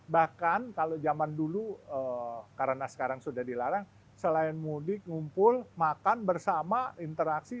bahkan kalau zaman dulu karena sekarang sudah dilarang selain mudik ngumpul makan bersama interaksi